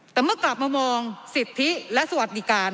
แต่เมื่อกลับมามองสิทธิและสวัสดิการ